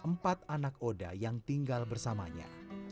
lili juga merawat empat anak oda yang tinggal bersamanya